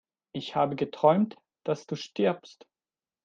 Ich habe geträumt, dass du stirbst!